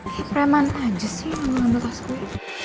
eh preman aja sih yang ngambil ngambil tas gue